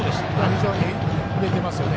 非常に振れてますよね。